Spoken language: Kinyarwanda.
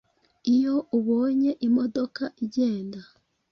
iyo ubonye imodoka igenda